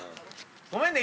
ごめんね？